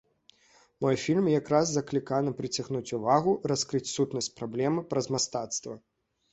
Мой фільм як раз закліканы прыцягнуць увагу, раскрыць сутнасць праблемы праз мастацтва.